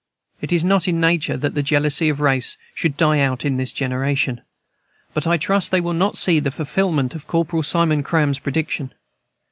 It is not in nature that the jealousy of race should die out in this generation, but I trust they will not see the fulfilment of Corporal Simon Cram's prediction.